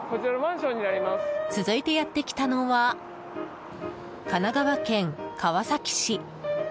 続いて、やってきたのは神奈川県川崎市。